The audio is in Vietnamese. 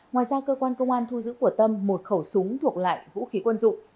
ngoài ra cơ quan công an thu giữ của tâm một khẩu súng thuộc lại vũ khí quân dụng